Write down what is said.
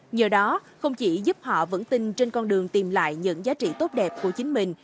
nhờ đó không chỉ giúp họ vững tin trên con đường tìm lại những giá trị tốt đẹp của chính mình